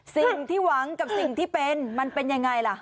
สิ่งที่หวังกับสิ่งที่เป็นมันเป็นยังไงล่ะ